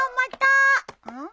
うん？